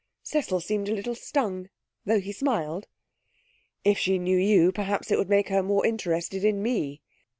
Cecil seemed a little stung, though he smiled. 'If she knew you, perhaps it would make her more interested in me!'